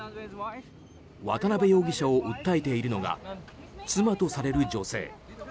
渡邉容疑者を訴えているのが妻とされる女性。